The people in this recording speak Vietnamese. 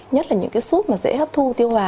nhất là những cái súp mà dễ hấp thu tiêu hóa